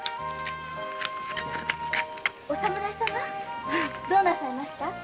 お侍様どうなさいました？